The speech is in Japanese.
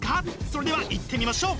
それではいってみましょう！